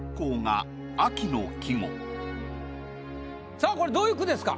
さぁこれどういう句ですか？